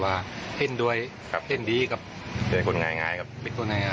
ว่าเห็นด้วยครับเห็นดีกับเป็นคนง่ายง่ายครับเป็นคนง่ายง่าย